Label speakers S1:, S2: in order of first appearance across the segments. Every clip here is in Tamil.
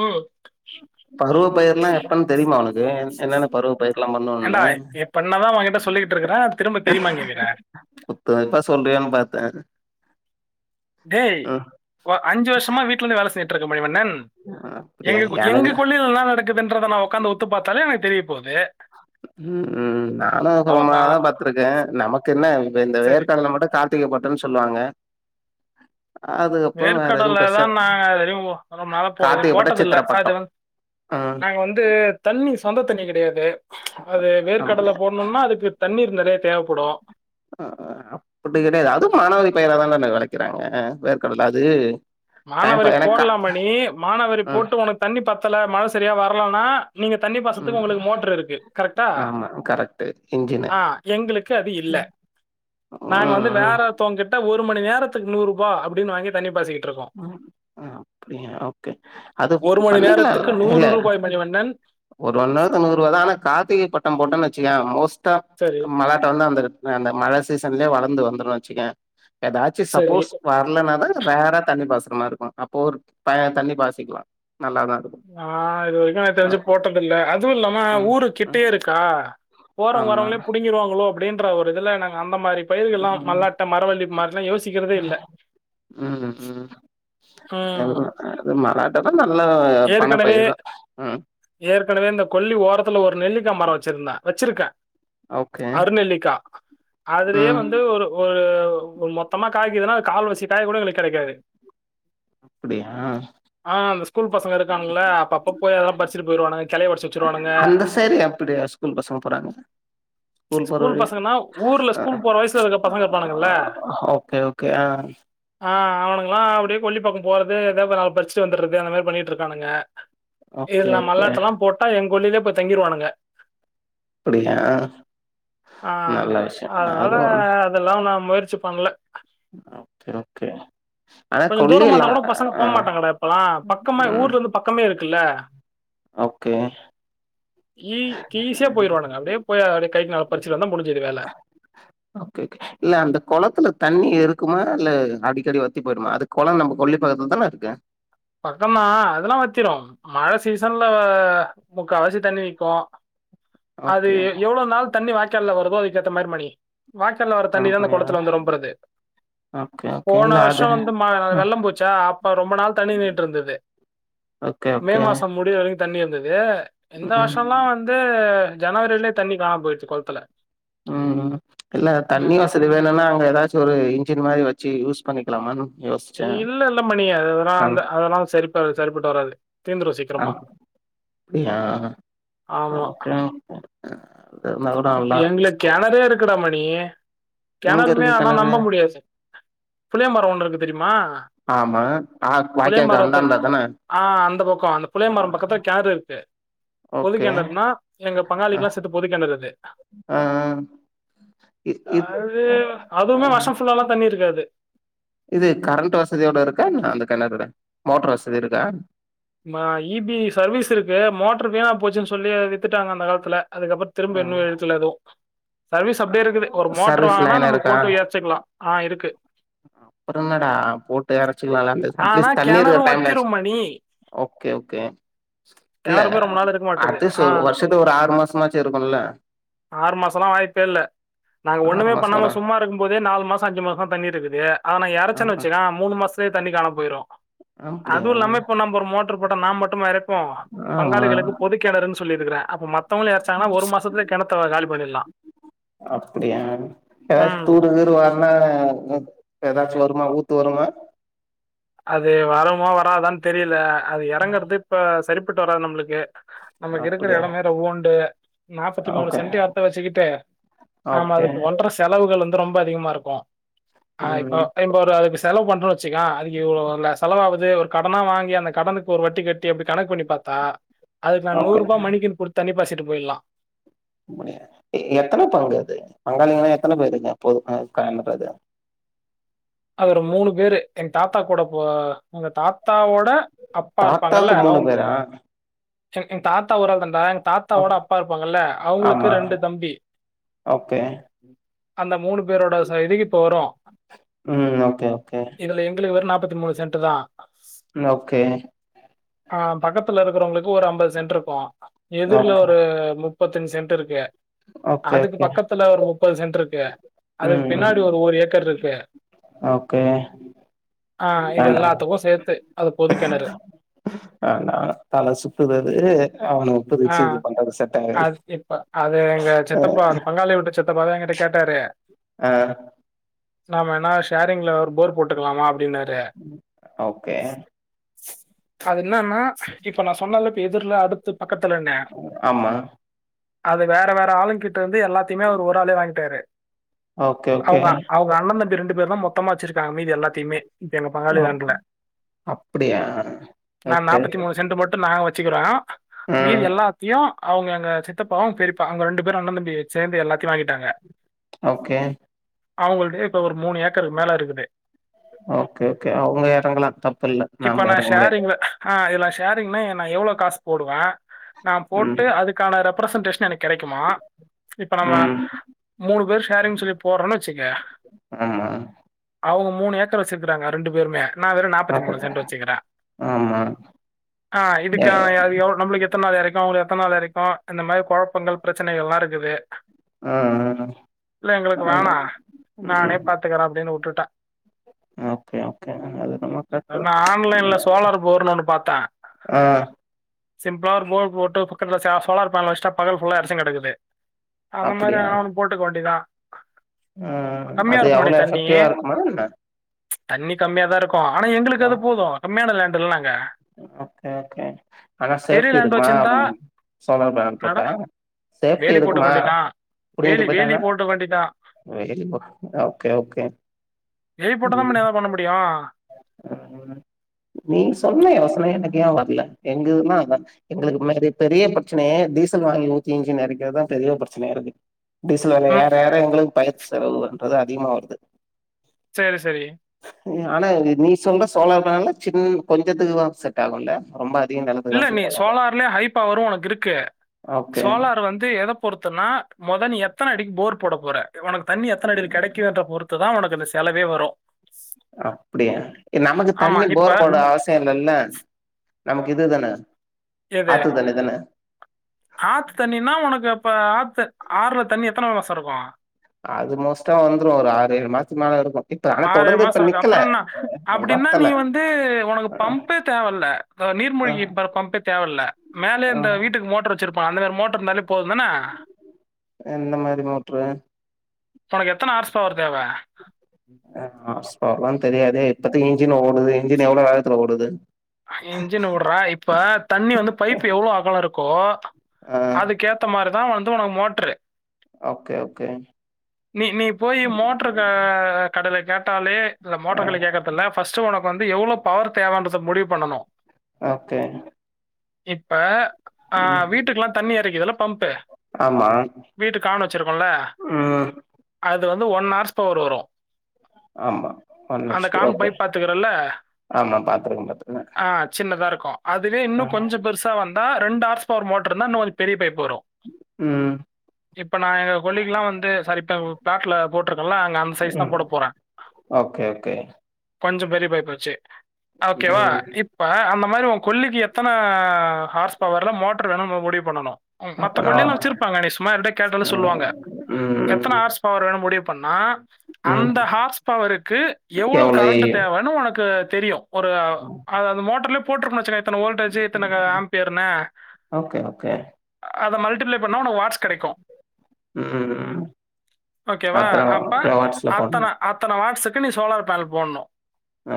S1: ஓ
S2: பருவ பயிர்லாம் எப்பன்னு தெரியுமா உனக்கு என்னென்ன பருவ பயிர்லாம்
S1: ஏன்டா
S2: பண்ணுவோம்னு
S1: பண்ணா தா உங்கிட்ட சொல்லிக்கிட்டுருக்குறே திரும்ப தெரியுமான் கேக்குறே
S2: குத்துமதிப்ப சொல்றியேன்னு பாத்தே
S1: டேய் அஞ்சு வருஷமா வீட்ல இருந்து வேலை செஞ்சுட்டு இருக்கே மணி வண்ணன்
S2: அப்படியா
S1: எங்க
S2: எனக்கு
S1: எங்க கொள்ளில என்ன நடக்குதுன்றதை நா உக்காந்து உத்து பாத்தாலே எனக்கு தெரிய போது
S2: [inaudible] ம் ம் நானு
S1: அவ்வளவுதான்
S2: சொகமாதா பாத்திருக்கே நமக்கு என்ன இப்ப இந்த
S1: சரி
S2: வேர்கடலை மட்டு கா [unintelligible] பட்டன்னு சொல்லுவாங்க அதுக்கப்பறோ வேற எதுவு
S1: வேர்க்கடலை
S2: பெருச
S1: தான் நாங்க எதுவும் ரொம்ப நாளா போ இது
S2: கார்திகப்பட்டோ சித்திர
S1: போட்டதில்லை அது
S2: பட்டோ
S1: வந்து
S2: ஆ
S1: நாங்க வந்து தண்ணி சொந்த தண்ணி கிடையாது அது வேர்க்கடலை
S2: அப்படியா
S1: போடணுனா அதுக்கு தண்ணீர் நெறைய தேவைப்படு
S2: அ அப்டி கிடையாது அது மாணவரி பயராதாலே விளைைக்கிறாங்க வேர்கடல அது டைம் பா
S1: மாணவரி
S2: எனக்கா
S1: போடலா மணி மாணவரி
S2: ம்
S1: போட்டு உனக்கு தண்ணி பத்தல மழை சரியா வரலனா நீங்க தண்ணி பாசத்துக்கு
S2: ம்
S1: உங்களுக்கு மோட்டரு இருக்கு கரெக்டா
S2: ஆமா கரெக்ட்
S1: ஆ எங்களுக்கு அது இல்லே நாங்க வந்து
S2: ம்
S1: வேற ஒருத்தவ கிட்ட ஒரு மணி நேரத்துக்கு நூறுரூபா அப்டின்னு வாங்கி தண்ணி பாச்சிக்கிட்டு இருக்கோ
S2: அப்டியா ஓகே அது
S1: மணி
S2: பண்ணிக்கலா
S1: நேரத்துக்கு ரூ.
S2: இல்ல
S1: மணிவண்ணன்.
S2: ஒரு ஒன்னு ஹவர் நூறு ரூபா தா ஆனா கார்த்திகை பட்ட போட்டேன் வச்சுக்கேயே மோஸ்ட
S1: சரி,
S2: ஆ மழை ட்டு வந்து அந்த அந்த மழை சீசன்லயே வளர்ந்து வந்துரு வச்சுக்கேயே ஏதாச்சு
S1: சரி.
S2: சப்போஸ் வரலனா தா ரேர்ரா தண்ணி பாச்சுறமாரி இருக்கு அப்போ ஒரு பய தண்ணி பாச்சிக்கலா நல்லாதா இருக்கு
S1: ஆ இது வரைக்கு நா தெரிஞ்சு போட்டதில்லை அதுவு இல்லாம
S2: ம் ம்
S1: ஊரு
S2: ம்
S1: கிட்டயே இருக்கா
S2: ஆமா
S1: போறோவங்கவாரவங்களே புடிங்கிருவாங்களோ அப்டின்ற ஒரு இதுல நாங்க அந்த மாரி பயிர்கள் எல்லா மல்லாட்ட மரவள்ளி மாரிலா யோசிக்கிறதே இல்ல
S2: ம் ம்
S1: ம்.
S2: எல்லா அது மராட்டாதா நல்ல
S1: ஏற்கனவே
S2: பணப்பயிர் தா உம்
S1: ஏற்கனவே இந்த கொல்லி ஓரத்துல ஒரு நெல்லிக்கா மரோ வச்சிருந்தே வச்சிருக்கே
S2: ஓகே
S1: அருநெல்லிக்கா அதுலயே
S2: ம்
S1: வந்து ஒரு ஒரு ஒரு மொத்தமா காய்க்குதுன்னா கால்வாசி காயு கூட எங்ளுக்கு கெடைக்காது
S2: அப்டியா
S1: ஆ அந்த ஸ்கூல் பசங்க இருக்காங்கல்ல அப்ப அப்ப போய் அதெல்லா பரிச்சுட்டு போயிருவாங்க கிளைய ஒடிச்சு வச்சுருவானுங்க
S2: அந்த சைட்ல அப்டியா ரொம்ப சூப்பரா இருந்தது
S1: ஸ்கூல் பசங்கன்னா ஊர்ல
S2: அ
S1: ஸ்கூல் போற வயசுல இருக்க பசங்க இருப்பானுங்கல்ல
S2: ஓகே ஓகே ஆஹ்
S1: ஆஹ் அவனுங்கல்லா அப்டியே கொல்லிப்பக்கோ போறது எதாவ்து நா பறிச்சுட்டு வந்துறது அந்த மாரி பண்ணிட்டு இருக்கானுங்க
S2: ஓகே
S1: இதுல்ல
S2: ஓகே
S1: மல்லாட்டல்லா போட்டா எங்க கொள்ளில போய் தங்கிருவானுங்க
S2: அப்படியா
S1: ஆ
S2: நல்ல விஷயம்
S1: அதனால
S2: அதுவும்
S1: அதெல்லா நா முயற்சி பண்ல
S2: ஓகே ஓகே ஆனா
S1: கொஞ்சோ தூரமா
S2: கொல்லில
S1: வந்தா கூட பசங்க
S2: ஆ
S1: போமாட்டாங்கடா இப்பல்லா பக்கமா
S2: ம்
S1: ஊர்ல இருந்து பக்கமே இருக்குல்ல
S2: ஓகே
S1: ஈ கீசியா போயிருவானுங்க அப்டியே போய் அப்டியே கைக்கு நல்லா பறிச்சுனு வந்தா முடிஞ்சுது வேல
S2: ஓகே இல்ல அந்த குளத்துல தண்ணி இருக்குமா இல்ல அடிக்கடி வத்தி போயிடுமா அது குளோ நம்ம கொல்லி பக்கத்துல தானே இருக்கு
S1: பக்கோதா அதெல்லா வத்திரு மழ சீசன்ல முக்கா வாசி தண்ணி நிக்கு அது
S2: ஓகே
S1: எவ்ளோ நாள் தண்ணி வாய்கால்ல வருதோ அதுக்கு ஏத்த மாரி மணி வாக்கால வர தண்ணீ தா இந்த
S2: கம்பெனியா?
S1: குளத்துல வந்து ரொம்பறது
S2: ஓகே
S1: போன
S2: இல்ல அது
S1: வருஷோ வந்து
S2: அ
S1: வெள்ளம்போச்சா அப்ப ரொம்ப நாள் தண்ணி போய்ட்டு இருந்தது
S2: ஓகே
S1: மே
S2: ஓகே
S1: மாசோ முடிர வரைக்கு தண்ணி இருந்தது எந்த
S2: ம்
S1: வருஷல்லா வந்து ஜனவரிலயே தண்ணி காணாம போய்டுச்சு குளத்துல
S2: உம் இல்ல தண்ணி
S1: ம்.
S2: வசதி வேணுன்னா அங்க எதாச்சு ஒரு இன்ஜின் மாரி வச்சு யூஸ் பண்ணிக்லா யோஸ்
S1: இல்ல இல்ல மணி அதெல்லா அந்த அதெல்லா சரிப்ப சரிப்பட்டு வராது தீந்துரும்
S2: அ
S1: சீக்கிரமா.
S2: அப்டியா
S1: ஆமா.
S2: ஓகே அது இருந்தா கூட
S1: இப்ப
S2: நல்லா
S1: எங்கள கெணரே இருக்குடா மணி
S2: இருக்கும் எங்க
S1: கெணறுமே
S2: இருக்கு
S1: ஆனா
S2: கிணறு
S1: நம்ப முடியாது புளிய மர ஒன்னு இருக்கு தெரியுமா
S2: ஆமா ஆ
S1: புளிய
S2: வாய்க்காக்கு
S1: மரத்து
S2: அந்தாண்ட தான
S1: ஆஹ் அந்த பக்கோ அந்த புளிய
S2: அ
S1: மரோ பக்கத்துல கேரு இருக்கு
S2: ஓகே
S1: பொதுக்கெணறுனா எங்க
S2: அ
S1: பங்காளிக்ல்லா சேத்து பொதுக்கெணறு அது
S2: ஆ இ இத் ஆ
S1: அதுவுமே வருஷோ ஃபுல்லால்லா தண்ணி இருக்காது
S2: இது கரண்ட் வசதியோட இருக்கா என்ன அந்த கிணறுல மோட்ரு வசதி இருக்கா
S1: இபி சர்வீஸ் இருக்கு மோட்ரு வீணா போச்சுனு சொல்லி வித்துட்டாங்க அந்த காலத்துல அதுக்கப்புறோ திரும்ப
S2: ம்
S1: இன்னு இழுக்கல எதோ சர்வீஸ் அப்டியே இருக்குது ஒரு மோட்ரு
S2: சர்வீஸ்
S1: வாங்குனா
S2: லைன்
S1: நம்ம
S2: இருக்கா
S1: போட்டு ஏச்சுரலா ஆஹ் இருக்கு
S2: அப்புறோ என்னடா போட்டு இறச்சுரலா அட்லீஸ்ட் தண்ணீ இருக்ற டைம்லயாச்சு
S1: இ
S2: ஓகே ஓகே இல்ல
S1: கெணறுமே ரொம்ப நாள் இருக்க மாட்டுது
S2: அட்லீஸ்ட்
S1: ஆ
S2: ஒரு வருஷத்துக்கு ஒரு ஆறு மாசமாச்சு இருக்குல்ல
S1: ஆறு மாசோல்லா வாய்ப்பே இல்ல நா
S2: ஆறு
S1: ஒன்னுமே
S2: மாசோ
S1: பண்ணாம
S2: கூட
S1: சும்மா இருக்கும் போதே நாலு மாசோ அஞ்சு மாசமா தண்ணி இருக்குது அத நா இறச்சன்னு வச்சக்க மூணு மாசத்தலா தண்ணி காண போயிரு
S2: அம்ப்டியா
S1: ர் மோட்டர் போட்ட நா மட்டும எரைப்போ
S2: ஆமா
S1: பங்காளிகளுக்கு பொது கிணறுன்னு சொல்லிருக்கற அப்ப மத்தவங்களு ஏறச்சாங்கன்னா ஒரு மாசத்துல கிணத்த காலி பண்ணிடலா
S2: அப்டியா ஏதாச்சி
S1: ம்.
S2: தூரு தூர் வர்னா ம் ஏதாச்சு வருமா ஊத்து வருமா
S1: அது வரம வராதான்னு தெரியல அது இறங்கறது இப்ப சரிப்பட்டு வராது நம்மளுக்கு நமக்கு இருக்குற
S2: அப்படியா
S1: எடமே ரெவெண்டு நாப்பத்தி மூணு
S2: ஓகே
S1: சென்டி எடத்த வச்சுக்கிட்டு ஆமா
S2: ஓகே.
S1: அதுக்கு ஒன்ற ஸ் செலவுகள் வந்து ரொம்ப அதிகமாருக்கு
S2: ம்.
S1: இப்ப அதுக்கு செலவு பண்ற வச்சுக்க இவளோ செலவாவது ஒரு கடனா வாங்கி அந்த கடனுக்கு ஒரு வட்டி கட்டி அப்டி கணக்கு பண்ணி பாத்தா அதுக்கு நா நூறு
S2: ஓகே.
S1: ருபா மணிக்கின் குடுத்து தண்ணிப்பாய்ச்சிட்டு போயிடலா
S2: முடியா எத்தன பங்கு அது பங்காளிங்கான எத்தன பேரு இருக்கு [unintelligible]
S1: அது ஒரு மூணு பேரு எங்க தாத்தா கூட போ எங்க தாத்தாவோட அப்பா இருப்பாங்கல்ல
S2: தாத்தாக்கு
S1: அவங்
S2: பேரா?
S1: எனக்கு எங்க தாத்தா ஒராள் தான்டா தாத்தாவோட
S2: ஓகே.
S1: அப்பா இருப்பாங்கல்ல அவங்களுக்கு
S2: ஆமா.
S1: ரெண்டு தம்பி
S2: ஓகே
S1: அந்த மூணு பேரோட சைடு இப்போ வரு
S2: ம் ஓகே ஓகே
S1: இதுல எங்களுக்கு வெறு நாப்பத்தி மூணு சென்ட்டு தா
S2: ம் ஓகே
S1: ஆ பக்கத்துல இருக்கிறவங்களுக்கு ஒரு ஐம்பது சென்ட்ருக்கு எதிர்ல
S2: ஓகே.
S1: ஒரு முப் பத்தஞ்சு சென்ட்ருக்கு
S2: ஓகே,
S1: அதுக்கு
S2: ஓகே.
S1: பக்கத்துல ஒரு முப்பது சென்ட்ருக் கு அதுக்கு
S2: ம், ம்.
S1: பின்னாடி ஒரு ஒரு ஏக்கர் இருக்கு
S2: ஓகே
S1: ஆ இது
S2: வேண்டா
S1: எல்லாத்துக்கு சேத்து அது பொதுக்கேணறு
S2: வேணா தல சுத்துதது அவனுங்
S1: ஆ
S2: பிரிச்சிக்கிட்டு அது செட் ஆகாது
S1: அது இப்ப அது எங்க
S2: அ
S1: சித்தப்பா அந்த பங்காளி வீட்டு சித்தப்பாதா எங்கிட்ட கேட்டாரு
S2: ஆ
S1: நாம வேனா ஷேரிங்ல ஒரு போர் போட்டுக்கலாமா அப்டின்னாரு
S2: ஓகே
S1: அது என்னன்னா இப்ப நா சொன்னன்ல இப்ப எதிர்ல அடுத்து பக்கத்துலன்னு
S2: ஆமா.
S1: அத வேற வேற ஆளுங்கிட்ட இருந்து எல்லாத்தையுமே அவர் ஒரு ஆளே வாங்கிட்டாரு
S2: ஓகே, ஓகே.
S1: அவங்க அவங்க அண்ணந்தம்பி ரெண்டு பேரு தா மொத்தமா வச்சிருக்காங்க மீதி எல்லாத்தையுமே இப்ப எங்க
S2: ஓ
S1: பங்காளி [unintelligible]
S2: அப்படியா?
S1: நா
S2: ஓகே.
S1: நாப்பத்தி மூணு சென்ட் மட்டு நாங்க வச்சுக்கிறோ மீதி
S2: ம்.
S1: எல்லாத்தியு அவங்க அங்க சித்தப்பா அவங்க பெரியப்பா அவங்க ரெண்டு பேரு அண்ண தம்பி சேர்ந்து எல்லாத்தையு வாங்கிட்டாங்க
S2: ஓகே
S1: அவங்கள்ட்ட இப்ப ஒரு மூணு ஏக்கருக்கு மேல இருக்குது
S2: ஓகே ஓகே அவங்க எறங்கலா தப்பில்ல
S1: இப்ப
S2: நாம
S1: நான்
S2: எறங்க முடியாது
S1: ஷேரிங்ல ஆ இதுல்ல ஷேரிங்னா நா எவ்ளோ காசு போடுவ நா
S2: ம்
S1: போட்டு அதுக் க்கான ரெப்ரசன்டேஷன் எனக்கு கிடைக்குமா இப்ப நம்ம
S2: ம்
S1: மூணு பேர் ஷேரிங் சொல்லி போடுறன்னு வச்சிக்க
S2: ஆமா
S1: அவங்க மூணு ஏக்கர் வச்சிருக்கறாங்க ரெண்டு பேருமே நா வெறும் நாற்பத்தி
S2: ஓகே
S1: மூணு சென்ட் வெச்சுக்கிற
S2: ஆமா
S1: ஆ
S2: எ
S1: இதுக்கு எவ்ளோ நம்ளுக்கு எத்தன நாள் வரைக்கு உங்களுக்கு எத்தன நாள் வரைக்கு இந்த மாரி கொழப்பங்கள் பிரச்சனைகள்லா இருக்குது
S2: ஆ
S1: இல்ல
S2: ஆ
S1: எங்களுக்கு
S2: ஆண்டா
S1: வேணா நானே
S2: ம்
S1: பாத்துக்கறே அப்டின்னு வுட்டுட்டே
S2: ஓகே ஓகே அது நம்ம
S1: நான் ஆன்லைன்ல சோலார்
S2: [unintelligible]
S1: போர்ன்னு ஒண்ணு பாத்தேன்.
S2: ஆ
S1: சிம்பிளா ஒரு போர் போட்டு பக்கத்துல சே சோலார் பேனல் வச்சா பகல் புல்லா எறச்சினு கெடக்குது அந்த மாரி எதனா ஒண்ணு போட்டுக்க வேண்டித்தா
S2: அ அ அதே
S1: உப்புமடி தண்ணி தண்ணி கம்மியா தா இருக்கு ஆனா எங்குளுக்கு
S2: ஆ
S1: அது போது கம்மியான லேண்டுல்லங்
S2: ஓகே ஓகே ஆனா
S1: பெரிய
S2: சேஃப்டி
S1: லேண்ட்
S2: இருக்குமா
S1: வச்சிருந்தா,
S2: சோலார் பேனல்
S1: என்னடா
S2: போட்டா சேப்டி
S1: வேலி போட்டுக்க
S2: இருக்குமா
S1: வேண்டியதான். வேலி
S2: புடிங்கிட்டு
S1: வேலி
S2: போயிட்டான்னா
S1: போட்டுக்க வேண்டியதான்.
S2: [unintelligible] ஓகே ஓகே
S1: வெய்ட் போட்ட தான்பா நீ அதா பண்ண முடியு
S2: அ நீ சொன்ன யோசன எனுக்கு ஏ வர்ல எங்குதுனா அதா எங்களுக்கு மாரி பெரிய பிரச்சனையே டீசல் வாங்கி ஊத்தி எஞ்சின் எறைக்கிறதுதா பெரிய பிரச்சனையா இருக்கு டீசல் வெல
S1: ம்.
S2: எற எற எங்குளுக்கு பயிற்சி செலவுன்றது அதிகமா வருது
S1: சேரி செரி
S2: ஆனா நீ சொல்ற சோழார் பேனல்ல சின்ன கொஞ்சத்துக்கு செட் ஆகுல்ல ரொம்ப அதி
S1: இல்ல நீ சோலார்லயே ஹை பவரு உனக்கு இருக்கு
S2: ஓகே
S1: சோலார் வந்து எத பொறுத்தனா மொத நீ எத்தன அடிக்கு போர் போட போற உனக்கு தண்ணி எத்தன அடில கெடைக்குன்ற பொறுத் துதா உனக்கு அந்த செலவே வரு
S2: அப்படியா நமக்கு
S1: ஆமா.
S2: தண்ணி
S1: இப்ப
S2: போர் போட
S1: தண்ணி
S2: அவசி ம் இல்லல்ல நமக்கு இதுதானே
S1: எது ஆத்து தண்ணினா உனக்கு இப்ப ஆத்து ஆறுல தண்ணி எத்தன மாசோ இருக்கு
S2: அது மோஸ்ட்டா வந்துரு ஒரு ஆறு ஏழு மாசத்துக்கு மேல இருக்கு இப்ப ஆனா
S1: ஆறு ஏழு
S2: தொடர்ந்து இப்ப
S1: மாசோ இருக்கு
S2: நிக்கல
S1: அப்புறம் என்ன அப்டின்னா நீ
S2: வத்தல
S1: வந்து உனக்கு
S2: ஆ
S1: பம்பப்பே தேவல்ல அ
S2: ஆ
S1: நீர்மூழ்கி பம்பே தேவயில்ல மேலயே
S2: ஆ
S1: இந்த வீட்டுக்கு மோட்டர் வெச்சிருப் போ அந்த மாரி மோட்டர் இருந்தால போதுந்தான
S2: எந்த மாரி மோட்ரு
S1: உனக்கு எத்தன ஆர்ஸ்பவரு தேவ
S2: அ ஆர்ஸ் பவர்லா தெரியாதே இப்பத்திக்கு இன்ஜின் ஓடுது இன்ஜின் எவ்ளோ வேகத்துல ஓடுது
S1: இன்ஜின் வுட்ற இப்ப தண்ணி வந்து பைப் எவ்ளோ அகல இருக்கோ
S2: ஆ
S1: அதுக்கேத் த மாரிதா வந்து உனக்கு மோட்ரு
S2: ஓகே ஓகே
S1: நீ நீ போய் மோட்டரு கடைல கேட்டாலே இந்த
S2: ஆ
S1: மோட்டார் கடைல கேக்கற்துல்ல ஃபஸ்ட்டு உனக்கு வந்து எவ்ளோ பவர் தேவன்றத முடிவு பண்ணணு
S2: ஓகே
S1: இப்ப ஆ
S2: ம்
S1: வீட்டுக்கெல்லா தண்ணி எறைக்குதுல்ல பம்பு
S2: ஆமா
S1: வீட்டு காவனு வெச்சிருக்கோல்ல
S2: ம்
S1: அது வந்து ஒன் ஹர்ஸ் பவர் வரு
S2: ஆமா ஒன்
S1: அந்த
S2: ஹெச் பி
S1: கான்
S2: ஓகே
S1: பைப் பாத்துக்கறல்ல
S2: ஆமா பாத்துருக்க பாத்துருக்க
S1: ஆ சின்னதா இருக்கு அதுவே இன்னு கொஞ்ச பெருசா வந்தா ரெண்டு ஹார்ஸ் பவர் மோட்டரு இருந்தா இன்னு கொஞ்ச பெரிய பைப்பு வரு
S2: ம்
S1: இப்ப நா எங்க கொல்லிக்கெல்லா வந்து சாரி இப்ப பிளட்ல போட்டிருக்கல்ல அங்க அந்த சைஸ் தா
S2: ம்
S1: போட போறே
S2: ஓகே ஓகே
S1: கொஞ்சோ பெரிய பைப்பு வச்சு ஓகேவா
S2: ம்
S1: இப் ப்ப அந்த மாரி ஒ கொல்லிக்கு எத்தன ஹார்ஸ் பவர்ல மோட்ரு வேணா நம்ம முடிவு பண்ணணு மத்த
S2: அப்பனா
S1: கொல்லில்லா வச்சிருப்பாங்க நீ சும்மா அவருகிட்ட கேட்டாலு சொல்லுவாங்க
S2: ம் ம்
S1: எத்தன ஹார்ஸ் பவர் வேணு முடிவு பண்ணா
S2: ம்
S1: அந்த ஹார்ஸ் பவருக்கு எவ்ளோ கரண்டு தேவன்னு ஒனக்கு தெரியு ஒரு அது அந்த மோட்டர்லய போட்டுச்ச இத்தன ஓல்டேஜூ இத்தன ஆம்பியர்ன
S2: ஓகே ஓகே
S1: அத மல்டிபிளை பண்ணா ஒனக்கு வாட்ஸ் கெடைக்கு
S2: ம்
S1: ஓகேவா
S2: அத்தன
S1: அப்ப
S2: கிலோவாட்ஸ்ல போட்னு
S1: அத்தன அத்தன வாட்ஸ்சுக்கு நீ சோலார் பேனல் போட்ணு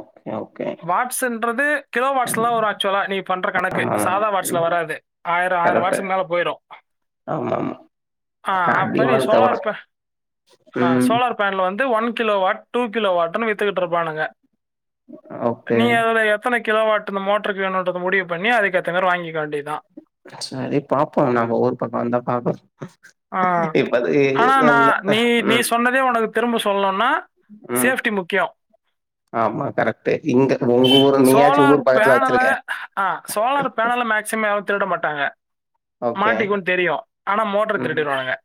S2: ஓகே ஓகே
S1: வாட் டுன்றது கிலோ வாட்ஸ்லதா வரு ஆக்சுவலா நீ பண்ற கணக்கு
S2: ஆமா
S1: சாதா வாட்ஸ்ல
S2: ம்
S1: வராது ஆயிரோ ஆயிரோ
S2: கரெக்ட்டு
S1: வாட்ஸ்சுக் மேல போய்ரு
S2: ஆமா ஆமா நா
S1: அப்ப நீ
S2: அதிகமான தவர ம்
S1: ஃபேன்ல வந்து one kilo watt two kilo வாட்டுனு வித்துக்கிட்ருப்பானுங்க
S2: ஓகே.
S1: நீங்க அதுல எத்தன கிலோ வாட்டு இந்த மோட்ருக்கு வேணுன்றத முடிவு பண்ணி அதுக்கு ஏத்த மாரி வாங்கிக்க வேண்டியதா
S2: செரி பாப்போ நம்ப ஊர் பக்கோ வந்தா பாப்போ
S1: ஆ.
S2: இப்ப அதுக்கு எது இல்ல அ ம்
S1: இதே ஒனக்கு திரும்ப சொல்ணுனா
S2: ம்.
S1: சேஃப்டி முக்கியோ
S2: ஆமா கரெக்ட்டு இங்க ஒங்க ஊர் நீயாச்சும்
S1: சோலார்
S2: ஊர் பக்கத்துல
S1: பேனல
S2: வச்சிருக்க.
S1: ஆ சோலார் பேனல மேக்சிமம் யாரு திருட மாட்டாங்க
S2: ஓகே.
S1: மாட்டிக்குன் தெரியு ஆனா மோட்ர
S2: ம்.
S1: திருடிருவானுங்க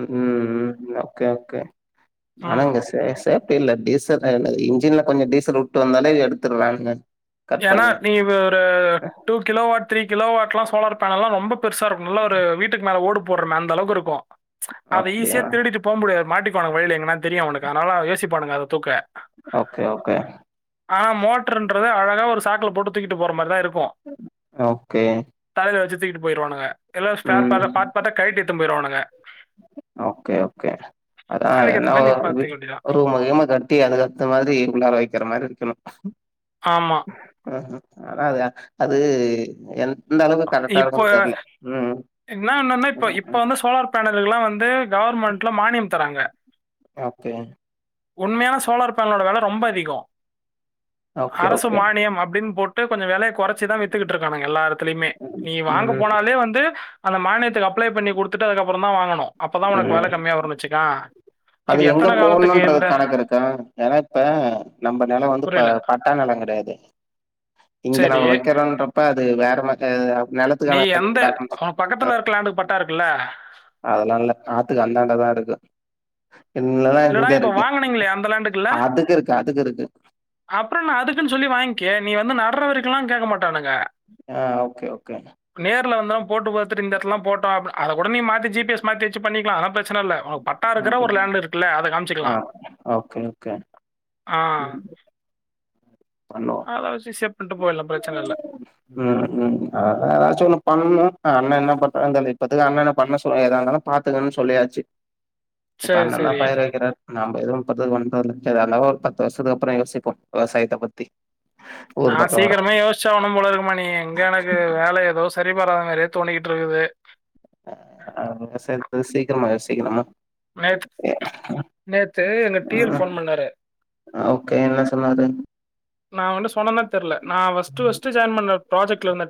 S2: ம் ம் ஓகே ஓகே ஆனா
S1: ம்.
S2: ஒங்க சே சே அப்டில்ல டீசல் லைன்ல இன்ஜின்ல கொஞ்சோ டீசல் வுட்டு வந்தாலே எடுத்திறானுங்க
S1: ஏனா நீ ஒரு two kilo watt three kilo வாட்ல்லா சோலார் பேனல்லா ரொம்ப பெருசாருக்கு நல்லா ஒரு வீட்டுக்கு மேல ஓடு போடுறமே அந்த அளவுக்கு இருக்கு அத
S2: அப்டியா?
S1: ஈஸியா திருடிட்டு போமுடியாது மாட்டிக்வானுங்க வழில எங்கான்னா தெரியு அவனுக்கு அனால யோசிப்பானுங்க அத தூக்க
S2: ஓகே ஓகே
S1: ஆனா மோட்ருன்றது அழகா ஒரு சாக்ல போட்டு தூக்கிட்டு போற மாரிதா இருக்கு
S2: ஓகே
S1: தலைல வச்சு தூக்கிட்டு போய்ருவானுங்க இல்ல ஸ்பேர்
S2: ம்.
S1: ஸ்பேரா பார்ட் பார்ட்டா கழ்ட்டி எத்துன் போயிர்வானுங்க
S2: ஓகே ஓகே அதா
S1: அதுக்கேத்த மாரி
S2: என்னவோ
S1: நீ பார்த்துக்க வேண்டியது தான்.
S2: ஒருமயிமா கழ் ட்டி அதுக்கேத்த மாரி உள்ளார வைக்கிற மாரி இருக்கணு
S1: ஆமா
S2: ம் ஆனா அ அது என் எந்தளவுக்கு
S1: இப்போ
S2: கரெக்டாருக்குன் தெர்ல ம்
S1: பேனல்களுக்லா வந்து கவர்மெண்ட்ல மானியம் தராங்க
S2: ஓகே
S1: உண்மையான சோலார் பேனலோட வெல ரொம்ப அதிகோ
S2: ஓகே,
S1: அரசு
S2: ஓகே.
S1: மானியம் அப்டின் போட் டு கொஞ்சோ வெலய கொறச்சுதா வித்துக்கிட்டு இருக்கானுங்க எல்லாரு நீ வாங்க
S2: ம்,
S1: போனாலே வந்து அந்த மானியத்துக்கு அப்ளை பண்ணி குடுத்துட்டு அதுக்கப்றோதா வாங்கனு அப்பதா ஒனக்கு வெல
S2: ம்.
S1: கம்மியா வரு வச்சுக்க
S2: அது எங்க போணுன்றது கணக்கு இருக்கா ஏனா இப்ப நம்ப நெலோ வந்து ப
S1: புரியல.
S2: பட் டா நெலோ கெடயாது இங்க நம்ம
S1: சரி.
S2: வைக்கிறோன்றப்ப அது வேற மா அ
S1: நீ
S2: நெலத்துக்கான
S1: எந்த
S2: டாக்குமெண்ட்ஸ்
S1: உனக்கு பக்கத்துல
S2: அ
S1: இருக்க லேண்டுக்கு பட்டா இருக்குல்ல
S2: அதெலால்ல ஆத்துக்கு அந்தாண்டதாருக்கு இனதான்
S1: இல்லடா
S2: எங்க
S1: இப்ப
S2: இருக்கு
S1: வாங்குனீங்களே அந்த
S2: அதுக்கு இருக்கு அதுக்கு இருக்கு
S1: அப்பறென்ன அதுக்குன்னு சொல்லி வாங்கிக்கே நீ வந்து நடுற வரைக்கெல்லா கேட்க மாட்டானுங்க
S2: அ ஓகே ஓகே
S1: நேர்ல வந்தா போட்டு பாத்துட்டு இந்த எடத்துலாதா போட்டோ அத கூட நீ மாத்தி ஜி பி எஸ் மாத்தி வச்சி பண்ணிக்லா அதுலா பிரச்சனல்ல பட்டா இருக்கிற ஒரு லேண்டு இருக்
S2: அ ஓகே ஓகே
S1: அ
S2: பண்வோ
S1: அத வச்சி ஈஸியா பண்ட்டு போய்லா பட்
S2: ம் ஏதாச்சு ஒண்ண பண்ணனூ அண்ண என்ன பண்றார்னு தெர்ல இப்பத்துக்கு அண்ண என்ன பண்ண சொல்ல ஏதா இருந்தாலு பாத்துங்கன்னு சொல்லியாச்சு இப்ப
S1: சரி,
S2: அண்ணதா
S1: சரி.
S2: பயிர் வைக்கிறாரு நாம எதுவு இப்பபண்றதில்ல எதா இருந்தாலூ ஒரு பத்து வருஷத்துக்கு அப்பறொ யோசிப்போ வெவசாயத்த பத்தி
S1: நா
S2: ஊர் பக்கோ வர
S1: சீக்கிரமே யோசிச்சாவுனு போலருக்கு மணி எங்க எனக்கு வேல ஏதொ சரிவராத மாரியேதோனீக்கிட்டு இருக்குது
S2: அப்டியா சரி சீக்கிரமா யோசிக்கு நம்ம
S1: நேத் நேத்து எங்க டியல் போன் பண்ணாரு
S2: அ ஓகே என்ன சொன்னாரு
S1: நா அவன்ட்ட சொன்னனா தெர்ல நா பஸ்ட் பஸ்ட் ஜாயின் பண்ண ப்ராஜெக்ட்ல